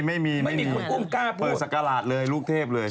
ไม่มีไม่มีคุณอุ้มกล้าเปิดสักกระหลาดเลยลูกเทพเลย